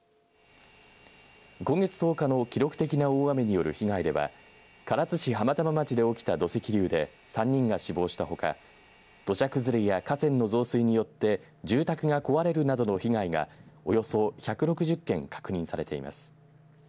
今月１０日の記録的な大雨による被害では唐津市浜玉町で起きた土石流で３人が死亡したほか土砂崩れや河川の増水によって住宅が壊れるなどの被害がおよそ１６０件確認されています。